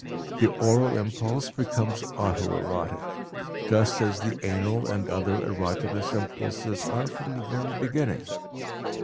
The oral impulse becomes auto erotic, just as the anal and other erogenous impulses are from the very beginning.